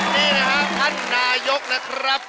นี่นะครับท่านนายกนะครับ